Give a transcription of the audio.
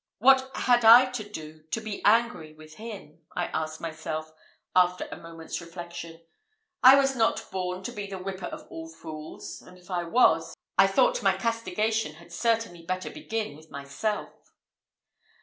What had I to do to be angry with him? I asked myself, after a moment's reflection: I was not born to be the whipper of all fools; and if I was, I thought my castigation had certainly better begin with myself.